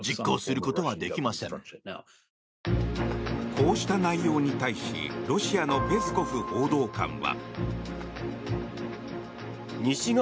こうした内容に対しロシアのペスコフ報道官は。